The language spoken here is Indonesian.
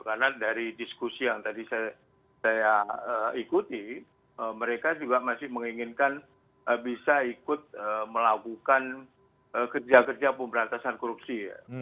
karena dari diskusi yang tadi saya ikuti mereka juga masih menginginkan bisa ikut melakukan kerja kerja pemberantasan korupsi